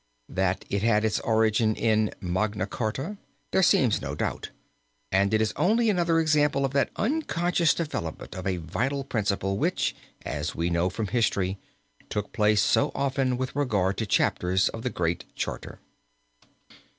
That it had its origin in Magna Charta there seems no doubt, and it is only another example of that unconscious development of a vital principle which, as we know from History, took place so often with regard to chapters of the Great Charter.